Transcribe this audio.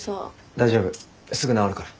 大丈夫すぐ直るから。